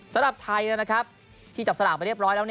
สำหรับไทยที่จับสลากไปเรียบร้อยแล้ว